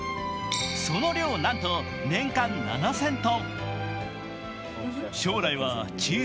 その量なんと年間７０００ｔ。